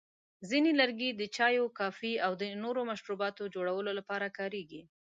ځینې لرګي د چایو، کافي، او نورو مشروباتو جوړولو لپاره کارېږي.